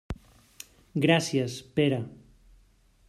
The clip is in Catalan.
Gràcies, Pere.